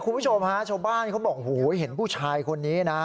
โอ้โหคุณผู้ชมชาวบ้านเขาบอกเห็นผู้ชายคนนี้นะ